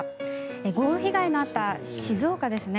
豪雨被害のあった静岡ですね。